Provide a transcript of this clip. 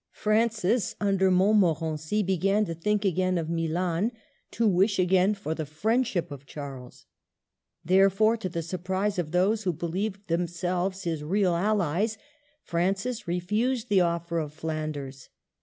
Francis, under Montmorency, A FALSE STEP. 177 began to think again of Milan, to wish again for the friendship of Charles. Therefore, to the surprise of those who believed themselves his real allies, Francis refused the offer of Flanders.